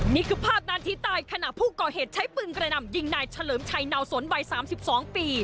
นี่คือภาพนาทีตายขณะผู้ก่อเหตุใช้ปืนกระหน่ำยิงนายเฉลิมชัยนาวสนวัย๓๒ปี